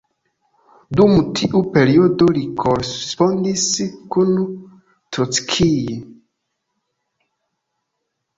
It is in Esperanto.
Dum tiu periodo li korespondis kun Trockij.